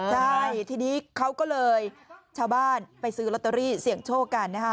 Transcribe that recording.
ใช่ทีนี้เขาก็เลยชาวบ้านไปซื้อลอตเตอรี่เสี่ยงโชคกันนะคะ